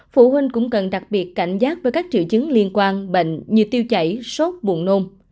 phụ huynh cũng cần đặc biệt cảnh giác với các triệu chứng liên quan bệnh như tiêu chảy sốt buồn nôm